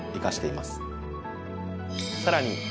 さらに。